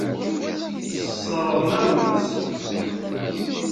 Sseṛɣen-awen-tt.